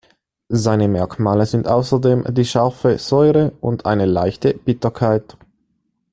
Seine Merkmale sind außerdem die scharfe Säure und eine leichte Bitterkeit.